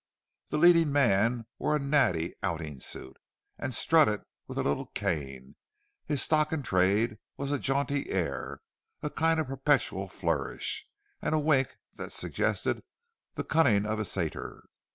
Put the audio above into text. The leading man wore a "natty" outing suit, and strutted with a little cane; his stock in trade was a jaunty air, a kind of perpetual flourish, and a wink that suggested the cunning of a satyr.